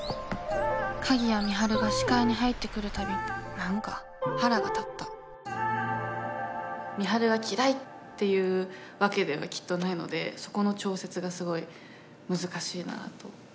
鍵谷美晴が視界に入ってくるたび何か腹が立った美晴が嫌いっていうわけではきっとないのでそこの調節がすごい難しいなと。